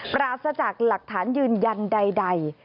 ปราศจากหลักฐานยืนยันใด